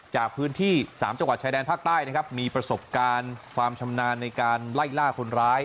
จากพื้นที่๓จังหวัดชายแดนภาคใต้นะครับมีประสบการณ์ความชำนาญในการไล่ล่าคนร้าย